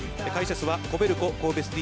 解説はコベルコ神戸